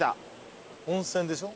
温泉でしょ？